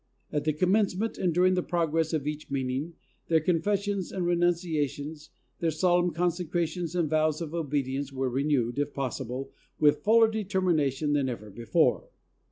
At the commencement and during the progress of each meeting, their confessions and renuncia tions, their solemn consecrations and vows of obedience, were renewed, if possible, with fuller determination than ever before.